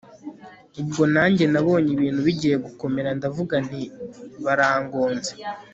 ubwo nanjye nabonye ibintu bigiye gukomera ndavuga nti barangonze